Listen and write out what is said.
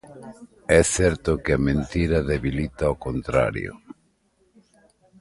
É certo, que a mentira debilita ó contrario.